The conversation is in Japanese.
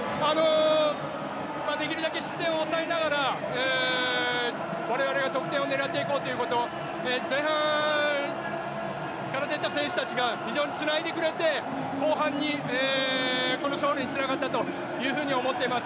できるだけ失点を抑えながら我々は得点を狙っていこうということ、前半から出ていた選手たちが非常につないでくれて後半にこの勝利につながったというふうに思っています。